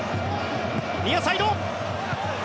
ニアサイド！